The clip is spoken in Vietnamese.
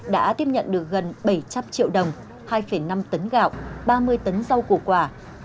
đã tiếp nhận được gần bảy trăm linh triệu đồng hai năm tấn gạo ba mươi tấn rau củ quả